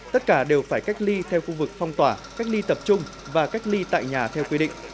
tất cả đều phải cách ly theo khu vực phong tỏa cách ly tập trung và cách ly tại nhà theo quy định